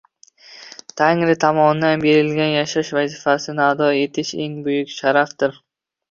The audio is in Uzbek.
Tangri tomonidan berilgan yashash vazifasini ado etish – eng buyuk sharafdir.